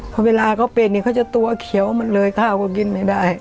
พอเวลาเขาเป็นเขาจะตัวเขียวมาเลยข้าก็กินไม่ได้